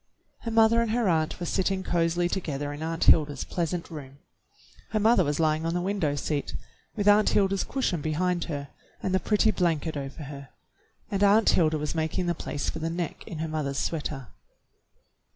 Her mother and her aunt were sitting cozily to gether in Aunt Hilda's pleasant room. Her mother was lying on the window seat with Aunt Hilda's cushion behind her and the pretty blanket over her, and Aunt Hilda was making the place for the neck in her mother's sweater.